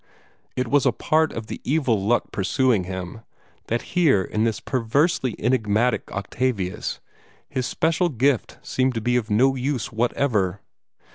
It was a part of the evil luck pursuing him that here in this perversely enigmatic Octavius his special gift seemed to be of no use whatever.